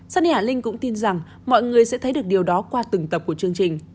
suni hạ linh cũng tin rằng mọi người sẽ thấy được điều đó qua từng tập của chương trình